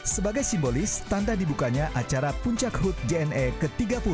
sebagai simbolis tanda dibukanya acara puncak hut jne ke tiga puluh